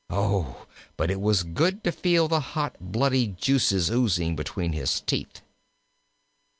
Oh, but it was good to feel the hot, bloody juices oozing between his teeth!